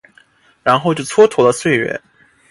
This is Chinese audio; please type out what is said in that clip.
然后就蹉跎了岁月